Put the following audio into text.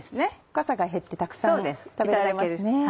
かさが減ってたくさん食べられますね。